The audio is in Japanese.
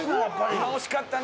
今惜しかったね。